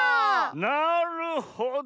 なるほど！